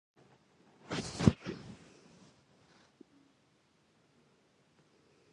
هغه وویل چې لار اوږده ده.